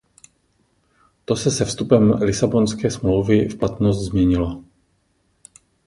To se se vstupem Lisabonské smlouvy v platnost změnilo.